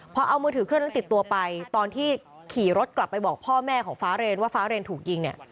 พอเอามือถือเครื่องนั้นติดตัวไปตอนที่ขี่รถกลับไปบอกพ่อแม่ของฟ้าเรนว่าฟ้าเรนถูกยิงเนี่ย